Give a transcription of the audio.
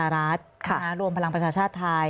รัฐรวมพลังประชาชาติไทย